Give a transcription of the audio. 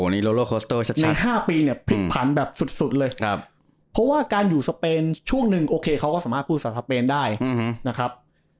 นี่๕ปีเนี่ยพลิกผันแบบสุดเลยเพราะว่าการอยู่สเปนช่วงหนึ่งโอเคเขาก็สามารถพูดภาษาสเปนได้นะครับ